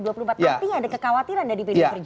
artinya ada kekhawatiran dari pdp jawa kan